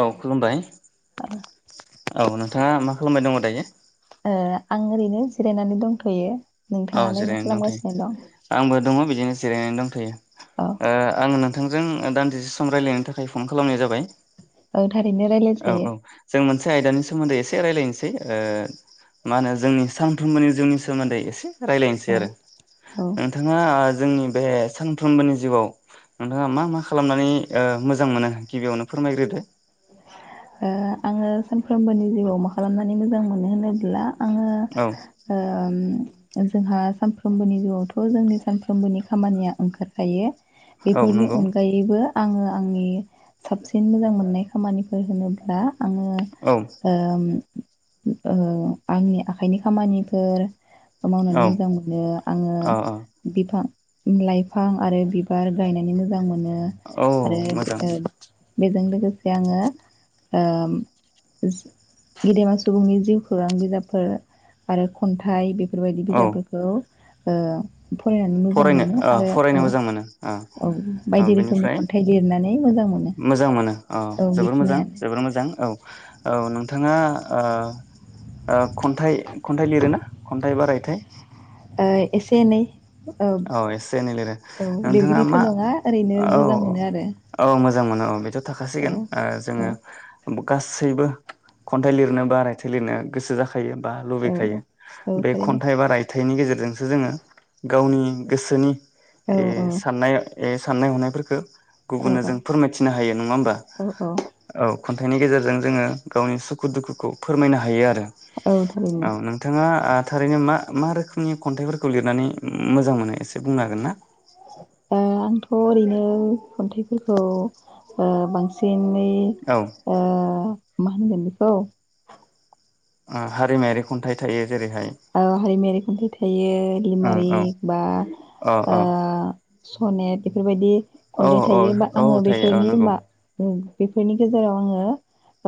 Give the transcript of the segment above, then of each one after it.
औ खुलुमबाय। औ नोंथाङा मा खालामबाय दङ दायो? ओ आं ओरैनो जिरायनानै दंथ'यो। औ नोंथाङालाय मा जिरायना खालामगासिनो दं दंथयो। आंबो दङ बिद दिनो जिरायनानै दंथयो। औ ओ आं नोंथ थांजों ओ दान्दिसे सम रायलायनो थाखाय फन खालामनाय जाबाय। औ थारैनो औ रायलायजायो औ जों मोनसे आयदानि सोमोन्दै एस से रायलायनोसै ओ मा होनो जोंनि सानफ्रोमबोनि जोंनि सोमोन्दै एसे रायलायनोसै औ आरो। औ ओ नोंथाङा आ जोंनि बे सानफ्रोमबोनि जिउआव नोंथाङा मा मा खालामनानै ओ मोजां मोनो गिबियावनो फोरमायग्रोदो। ओ आङो सानफ्रोमबोनि जिउआव मा खालामनानै मोजां मोनो होनोब्ला आङो औ ओम ओ जोंहा सानफ्रोमबोनि जिउआवथ' जोंनि सानफ्रोमबोनि खामानिया ओंखारखायो। औ बेफोरनि नंगौ अनगायैबो आङो आंनि साबसिन मोजां मोननाय खामानिफोर होनोब्ला आङो औ ओम ओ आंनि आखायनि खामानिफोर ओ मावनानै औ मोजां मोनो आङो औ बिफां लाइफां आरो बिबार गायनानै मोजां मोनो औ आरो मोजां अ बेजों से आङो गेदेमा सुबुंनि जिउ खौरां बिजाबफोर आरो खन्थाइ बेफो फोरबायदि औ बिजाबफोरखौ ओ फरायनानै मोजां फरायनो मोनो ओ आरो फरायनो औ मोजां मोनो ओ औ औ बायदि रोखोमनि बेनिफ्राय खन्थाइ लिरनानै मोजां मोनो मोजां मोनो औ जोबोर मोजां जोबोर मोजां औ औ नों थाङा ओ ओ खन्थाइ खन्थाइ लिरोना खन्थाइ बाराय [unintelligible] ओ एसे एनै औ एसे एनै लिरो औ नोंथाङा लिरगिरिथ' मा नङा ओरैनो औ मोजां मोनो आरो औ मोजां मोनो औ बेथ' औ थाखासिगोन ओ औ जोङो गासैबो खन्थाइ लिरनो बा रायथाइ लिरनो गोसो जाख [unintelligible] बा औ लुबैखायो औ बे थारैनो खन्थाइ बा रायथ थाइनि गेजेरजोंसो जोङो गावनि गोसोनि औ ए साननाय ए साननाय हनायफोरखो गुबुननो औ जों फोरमायथिनो हायो नङा होमबा औ औ औ खन्थाइनि गेजेरजों जोङो गावनि सुखु दुखुखौ फोरमायनो हायो आरो औ थारैनो औ नोंथाङा आ थारैनो मा मा रोखोमनि खन्थाइफोरखौ लिरनानै मोजां मोनो एसे बुंनो हागोन ना ओ आंथ' ओरैनो खन्थाइफोरखौ ओ बांसिन नै ओ मा होनगोन बेखौ ओं हारिमायारि खन्थाइ थायो जेरैहाय औ हारिमयारि खन्थाइ थायो ओं ओं लिमारिक बा अ ओ अ स'नेट बेफोरबायदि औ खन्थाइ औ थायो बा औ आङो थायो औ बेफोरनि नंगौ मा उम बेफोरनि गेजेराव आङो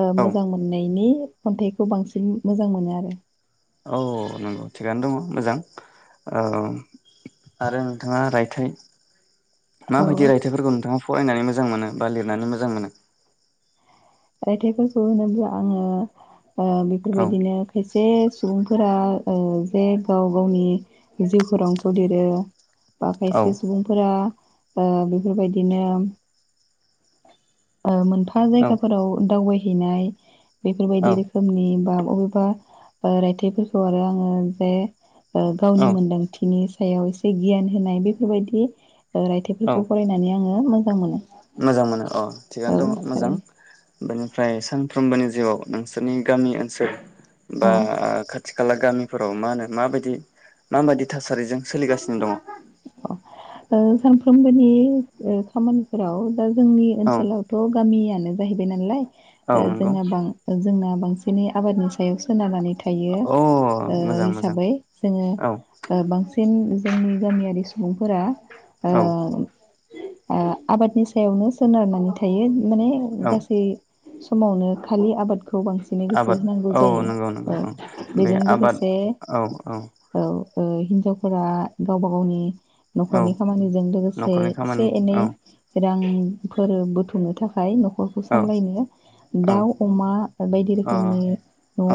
ओ औ मोजां मोननायनि खन्थाइखौ बांसिन मोजां मोनो आरो औ नंगौ थिगानो दङ' मोजां ओ आरो नोंथाङा रायथाइ औ माबायदि रायथाइफोरखौ नोंथाङा फरायनानै मोज जां मोनो बा लिरनानै मोजां मोनो रायथाइफोरखौ होनोब्ला आङो ओ औ बेफोरबायदिनो खायसे सुबुंफोरा ओ जे गाव गावनि जिउ खौरांखौ लिरो बा औ खायसे सुबुंफोरा ओ बेफोरबायदिनो ओ मोनफा औ जायगा दावबायहैनाय बेफोरबायदि रोखोमनि बा बबेबा रायथाइफोरखौ आरो आङो जे औ गावनि मोनदांथिनि सायाव एसे गियान होनाय बेफोरबायदि औ रायथाइफोरखौ फरायनानै आङो मोजां मोजां मोनो मोजां मोनो अ थिगानो औ दङ मोजां थारैनो बेनिफ्राय सानफ्रोमबोनि जिउआव नोंसोरनि गामि ओनसोल बा औ खा खाथि खाला गामिफोराव मा होनो माबायदि मायदि थास अ आ ज [unintelligible] खामानि खामानिफोराव दा जोंनि औ ओनसोलावथ' गामियानो जाहैबाय नालाय औ नंगौ जोंना बां जोंना बांसिनै आबादनि सायाव सोनारनानै थायो अ मोजां मोजां हिसाबै जोङो औ बांसिन जेन जोंनि गामियारि सुबुंफोरा ओ औ आबादनि सायावनो सोनारनानै थायो माने औ गासै समावनो खालि आबाद खौ बांसिनै गोसो आबाद होनांगौ औ जायो नंगौ नंगौ औ बे बेजों आबाद लोगोसे औ औ फोर गावबा गावनि औ न'खरनि खामानिजों लोगोसे न'खरनि एसे खामानि एनै औ रांफोर बुथुमनो नि थाखाय नखरखौ औ सामलायनो औ दाउ अमा बायदि अ रोखोमनि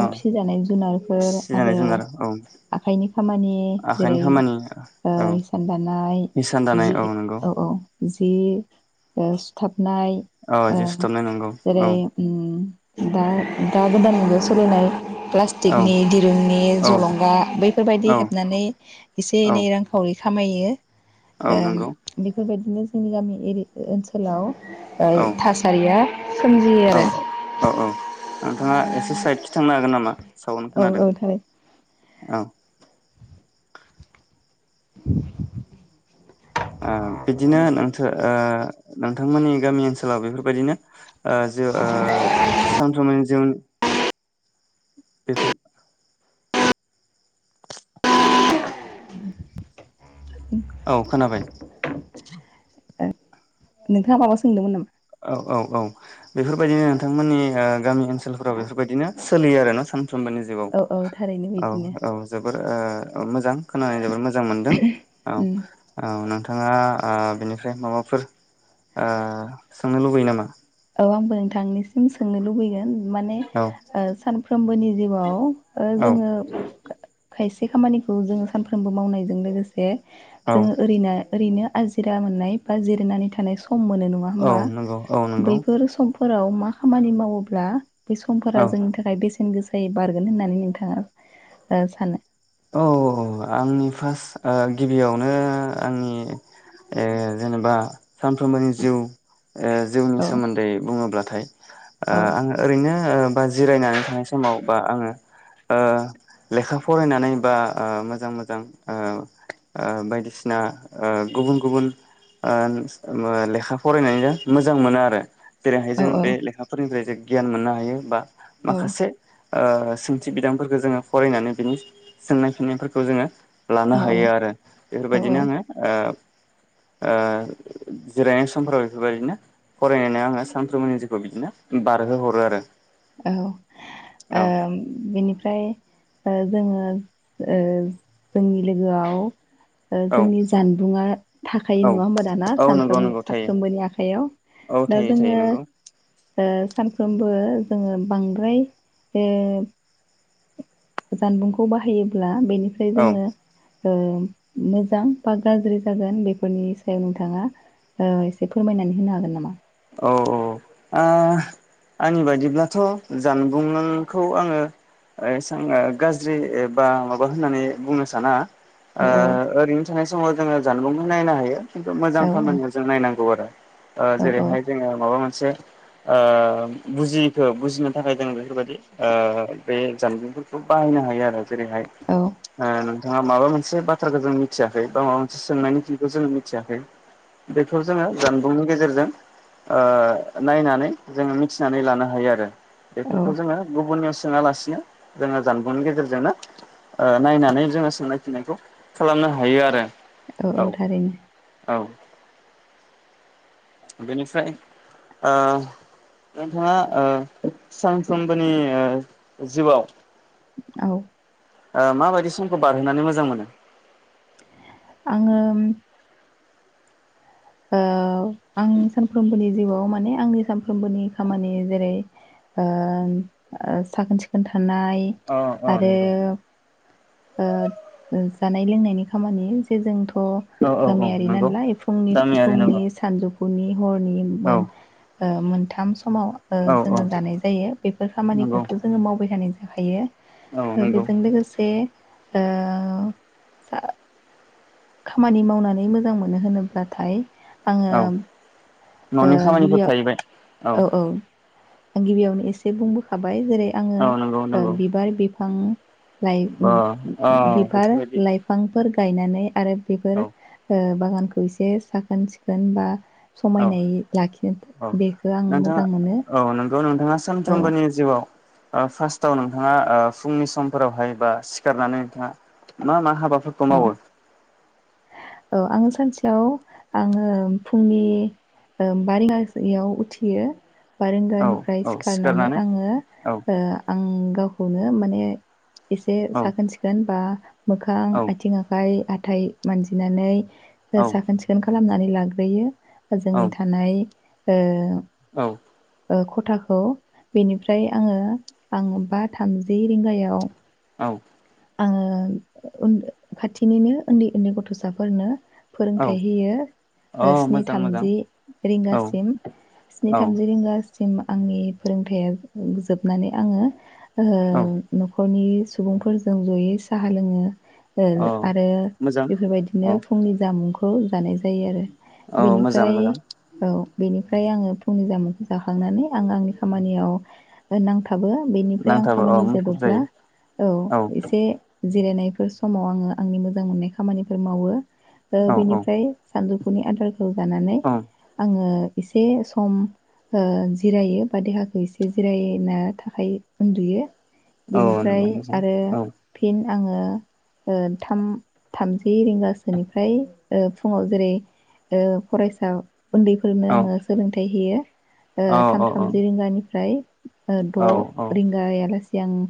अ फिसिजानाय जुनारफोर फिसिजानाय आरो जुनार औ आखाइनि खामानि आखाइनि जेरै खामानि औ इसान दानाय हिसान दानाय जि नंगौ औ औ जि सुथाब नाय औ ओ जि सुथाबनाय नंगौ जेरै औ ओम दा दा गोदाननिनो सोलिनाय औ प्लास्टिकनि दिरुंनि औ जलंगा बैफोरबायदि औ हेबनानै एसे औ एनै औ रां-खावरि खामायो ओम नंगौ बिफोरबायदि बिदिनो जोंनि गामि एरि ओनसोलाव ओ थासारिया सोमजियो आरो औ-औ औ-औ नोंथाङा एसे साइद थांनो हागोन नामा? सावन औ खोनादों औ थारै औ। [inaudible] बिदिनो नोंथां नोंथांमोननि गामि ओनसोलाव बेफोरबायदिनो सानफ्रोमबोनि जिउ बेफोर औ खोनाबाय नोंथाङा माबा सोंदोंमोन नामा? औ औ-औ बेफोरबायदिनो नोंथांमोननि ओ गामि ओनसोलफोराव बेफोरबायदिनो सोलियो आरो ना सान समबानि जिबआव औ औ थारैनो औ बिदिनो औ जोबोर मोजां खोनानो जोबोर मोजां मोनदों उम औ-औ नोंथाङा ओ बिनिफ्राय माबाफोर सोंनो लुबैयो नामा? औ आंबो नोंथांनिसिम सोंनो लुबैगोन माने औ सानफ्रोमबोनि जिउआव ओ औ जोंङो खायसे खामानिखौ जोंङो सानफ्रोमबो मावनायजों लोगोसे जे औ जोंङो ओरैनो ओरैनो आजिरा मोननाय बा जिरायनानै थानाय सम सम मोनो नङा औ होमबा? नंगौ औ नंगौ बैफोर सम फोराव मा खामानि मावोब्ला बे समफोरा औ जोंनि थाखाय बेसे बेसेन गोसायै बारगोन होननानै नोंथाङा ओ सानो? औ औ आंनि फार्स्ट ओ गिबियावनो आंनि ओ जेनेबा सानफ्रोमबोनि जिउ ओ जिउनि औ सोमोन्दै बुङोब्ला थाय ओ औ आं ओरैनो ओ बा जिरायनानै थानाय समाव बा आङो ओ लेखा फरायनानै बा ओ मोजां मोजां ओ ओ बायदिसिना ओ गुबुन गुबुन ओ ओम लेखा फरायनायजो मोजां मोनो आरो औ बेराहायजों बे लेखाफोरनिफ्राय जों गियान मोननो हायो बा औ माखासे ओ सोंथि बिदांफोरखो जोङो फरायनानै बिनि सोंनाय फिन्नायफोरखौ जोङो लानो औ हायो आरो औ बेफोरबायदिनो आङो ओ ओ जिरायनाय समफोराव बेफोरबायदिनो फरायनायाव आङो सानफ्रोमबोनि जिउखौ बिदिनो बारहोहरो आरो औ ओ औ बेनिफ्राय ओ जोङो ओ जोंनि लोगोआव ओ औ जोंनि जानबुंङा थाखायो औ नङा होमबा दाना औ नंगौ सानफ्रोम नंगौ थायो साफ्रोमबोनि आखाइयाव औ दा थायो थायो जोङो नंगौ ओ सानफ्रोमबो जोङो बांद्राय ओ जानबुंखौ बाहायोब्ला बेनिफ्राय औ जोङो ओ मोजां बा गाज्रि जागोन बेफोरनि सायाव नोंथाङा ओ एसे फोरमायनानै होनो हागोन नामा अ अ आ आंनि बायदिब्लाथ' जानबुंखौ आङो एसां ओ गाज्रि एबा माबा होननानै बुंनो साना औ ओ ओरैनो थानाय समाव जोङो जानबुंखो नायनो हायो खिन्थु मोजां औ खामानियाव जों नायनांगौ आरो ओ औ जेरैहाय माबा मोनसे ओ बुजियिखो बुजिनो थाखाय जोङो बेफोरबादि ओ बे जानबुंफोरखौ बाहायनो हायो आरो जेरैहाय औ ओ नोंथाङा माबा मोन से बाथ्राखो जों मिथियाखै बा माबा मोनसे सोंनायनि फिनखो जोङो मिथियाखै बेखौ जोङो जानबुंनि गेजेरजों ओ नायनानै जोङो मिथिनानै लानो हायो आरो औ बेफोरखौ जोङो गुबुननियाव [unintelligible] जोङो जानबुंनि गेजेरजोंनो ओ नायनानै जोङो सोंनाय फिननायखौ खालामनो हायो आरो औ औ थारैनो औ बेनिफ्राय नोंथाङा सानफ्रोमबोनि जिउआव औ माबायदि समखौ बारहोनानै मोजां मोनो आङो औ आं सानफ्रोमबोनि जिउआव माने आंनि सानफ्रोमबोनि खामानि जेरै साखोन सिखोन थानाय अ अ आरो नंगौ जानाय लोंनायनि खामानि जे जों थ' औ औ औ गामियारि नंगौ नालाय फुंनि गामियारि फुंनि नंगौ सानजौफुनि फुनि हरनि औ मोन मोनथाम समाव औ औ जोङो जानाय जायो बेफोर नंगौ खामानिखौथ' जोङो मावबाय थानाय जायो औ जायो नंगौ बेजों लोगोसे ओ खामानि मावनानै मोजां मोनो होनोब्लाथाय आङो औ न'नि ओ खामानिफोर गिबियाव थाहैबाय औ औ आं गिबियावनो एसे इसे बुंबो खाबाय जेरै औ आङो नंगौ नंगौ बिबार बिफां अ औ बिबार बेफोरबायदि लाइफांफोरखौ गायनानै आरो औ बेफोर बागानखौ एसे साखोन सिखोन बा औ समायनाय लाखिनो औ बे नोंथाङा औ नों [unintelligible] नोंहा औ सानफ्रोमबोनि जिउआव। फार्स्टाव नोंथाङा ओ फुंनि समफोरावहाय बा सिखारनानै नोंथाङा मा मा हा बा फोरखौ औ मावो। औ आङो सानसेयाव आङो फुंनि बा रिगासायाव उथियो। औ बारेंगानिफ्राय औ सिखारनानै आङो औ आं गाव। खौनो माने। एसे औ साखोन सिखोन बा। औ मोखां। थिं आखाइ हाथाय मानजिनानै। औ साखोन सिखोन खालामनानै। लाग्रोयो। जोंनि थानाय। ओ। औ। खथाखौ बेनिफ्राय आङो आं बा थामजि रिंगायाव। औ। आङो खाथिनिनो उन्दै उन्दै गथ'साफोरनो। फोरोंथाइ होयो अ स्नि मोजां मोजां थामजि औ रिंगासिम स्नि औ थामजि रिंगा। सिम आंनि फोरोंथाइआ जोबनानै आङो। औ ओ। गावनि सुबुंफोर। जों ज'यै साहा लोङो। औ आरो मोजां बेफोरबायदिनो औ फुंनि जामुंखौ। खौ जानाय जायो आरो। औ मोजां बेनिफ्राय मोजां औ। बेनिफ्राय आङो फुंनि जामुंखौ जाखांनानै आं आंनि खामानियाव नांथा। बो बेनिफ्राय आं नांथाबो औ खामानि मुखुब जोबोब्ला जायो औ। एसे। जिरायनायफोर समाव आङो आंनि मोजां मोननाय खामानिफोर मावो। औ औ बिनिफ्राय सानजौफुनि आदारखौ जानानै औ आङो। एसे सम ओ जिरायो बा देहाखौ एसे जिरायना थाखायो उन्दुयो। औ नंगौ बेनिफ्राय मोजां आरो औ। फिन आङो थाम थामजि रिंगासोनिफ्राय फुङाव जेरै ओ फरायसा उन्दैफोरनो औ आङो सोलोंथाइ होयो। औ थाम थामजि रिंगानिफ्राय औ द' औ रिंगायालासे आं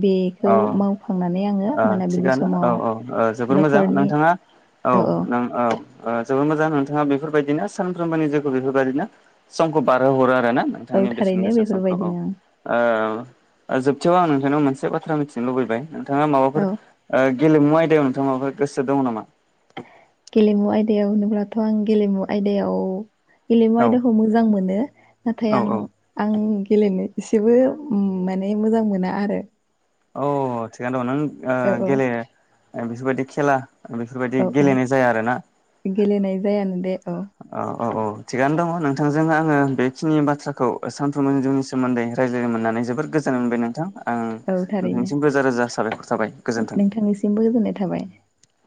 बे औ थिगानो औ समाव औ जोबोर मोजां न'खरनि नोंथाङा औ नों औ। जोबोर मोजां नोंथाङा बेफोरबायदिनो सानफ्रोमबोनि जिउखौ बेफोरबायदिनो समखौ बारहो हरा ना औ नोंथांनि बेसेन थारैनो गोसा समखौ औ। बेफोरबायदिनो जोबथायाव आं नोंथांनियाव मोनसे बा थ्रा मिथिनो लुबैबाय। बिथाङा माबाफोर औ गेलेमु आयदायाव नोंथांङा माबाफोर गोसो दङ नामा। गेलेमु आयदायाव होनोब्लाथ' आं गेलेमु आयदायाव गेलेमु औ आयदाखौ मोजां मोनो नाथाय औ आं औ आं गेलेनो एसेबो माने मोजां मोना आरो। औ थिगानो दं नों ओ औ औ गेले बिफोरबायदि खेला बेफोरबायाददि औ औ गेलेनाय जाया आरोना। गेलेनाय जायानो दे औ। औ औ थिगानो दङ नोंथांजों आङो बेखिनि बाथ्राखौ सानथुमजनि सोमोन्दै रायज्लायनो मोननानै जोबोर गोजोननाय मोनबाय नोंथां। आं औ थारैनो नोंथांनिसिम रोजा रोजा साबायखर थाबाय गोजोन्थों। नोंथांनिसिमबो गोजोननाय थाबाय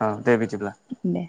अ दे बिदिब्ला दे